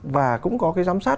và cũng có cái giám sát